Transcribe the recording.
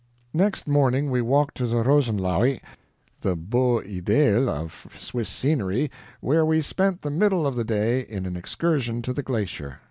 Next morning we walked to Rosenlaui, the BEAU IDÉAL of Swiss scenery, where we spent the middle of the day in an excursion to the glacier.